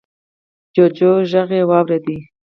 جوجو غږ يې واورېد.